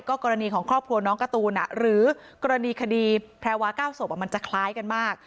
กรณีของครอบครัวน้องการ์ตูนหรือกรณีคดีแพรวา๙ศพมันจะคล้ายกันมาก